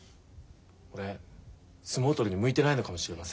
俺相撲取りに向いてないのかもしれません。